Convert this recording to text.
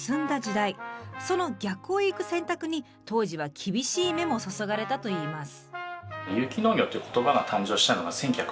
その逆を行く選択に当時は厳しい目も注がれたといいます。